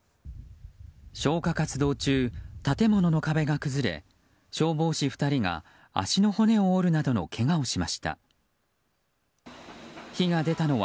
消火活動中、建物の壁が崩れ消防士２人が足の骨を折るなどのけがをしました。